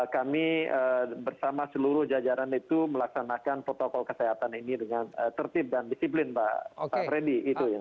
kami bersama seluruh jajaran itu melaksanakan protokol kesehatan ini dengan tertib dan disiplin pak freddy